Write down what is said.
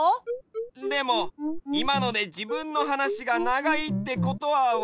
でもいまのでじぶんのはなしがながいってことはわかったよね？